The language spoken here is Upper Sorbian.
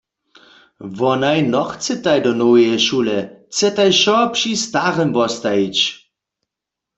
Wonaj nochcetaj do noweje šule, chcetaj wšo při starym wostajić.